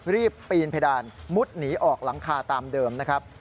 ปีนเพดานมุดหนีออกหลังคาตามเดิมนะครับ